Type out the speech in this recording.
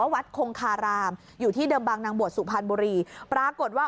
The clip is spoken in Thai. วัดคงคารามอยู่ที่เดิมบางนางบวชสุพรรณบุรีปรากฏว่า